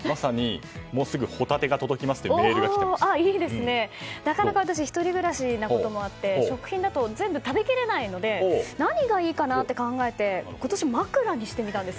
もうすぐホタテが来るってなかなか私一人暮らしなこともあって食品だと全部食べ切れないので何がいいかなと考えて今年、枕にしてみたんです。